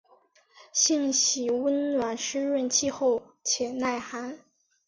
性喜温暖润湿气候且耐寒。